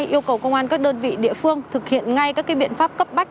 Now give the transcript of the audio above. yêu cầu công an các đơn vị địa phương thực hiện ngay các biện pháp cấp bách